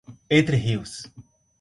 Entre Rios